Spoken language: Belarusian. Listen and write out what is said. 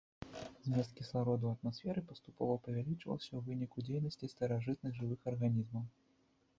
Змест кіслароду ў атмасферы паступова павялічвалася ў выніку дзейнасці старажытных жывых арганізмаў.